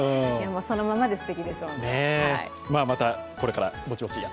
そのままで、すてきですので。